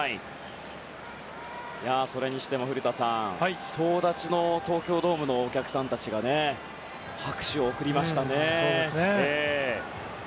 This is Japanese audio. それにしても古田さん、総立ちの東京ドームのお客さんたちが拍手を送りましたね。